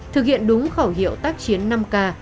thực hiện đúng khẩu hiệu tác chiến năm k